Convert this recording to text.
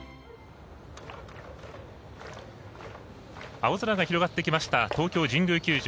青空が広がってきました東京神宮球場。